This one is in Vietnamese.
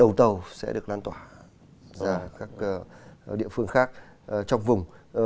đầu tàu sẽ được lan tỏa ra các địa phương khác trong vùng